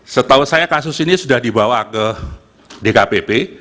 setahu saya kasus ini sudah dibawa ke dkpp